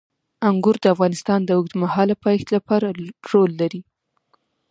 انګور د افغانستان د اوږدمهاله پایښت لپاره رول لري.